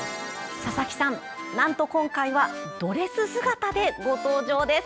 佐々木さん、なんと今回はドレス姿でご登場です。